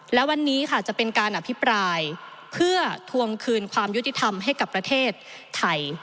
และวันนี้ค่ะจะเป็นการอภิปรายเพื่อทวงคืนความยุติธรรมให้กับประเทศไทย